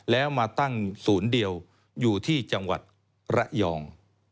แล้วมาตั้งศูนย์เดียวอยู่ที่จังหวัดระยอง